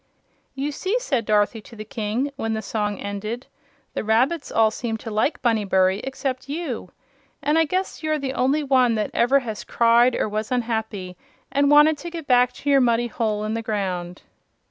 "You see," said Dorothy to the King, when the song ended, "the rabbits all seem to like Bunnybury except you. And I guess you're the only one that ever has cried or was unhappy and wanted to get back to your muddy hole in the ground."